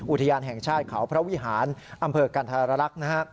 อุทยานแห่งชาติเขาพระวิหารอำเภอกันธรรรักษ์นะฮะ